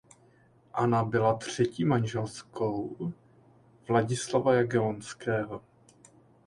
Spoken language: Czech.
Anna byla třetí manželkou Vladislava Jagellonského.